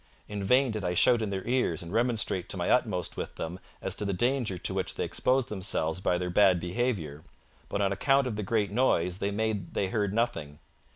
In vain did I shout in their ears and remonstrate to my utmost with them as to the danger to which they exposed themselves by their bad behaviour, but on account of the great noise they made they heard nothing.